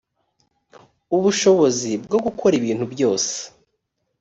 ubushobozi bwo gukora ibintu byose